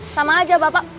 sama aja bapak periksa